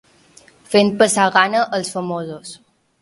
Fent passar gana els famosos.